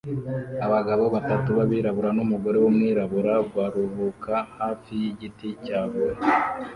Abagabo batatu b'abirabura n'umugore w'umwirabura baruhuka hafi y'igiti cyaguye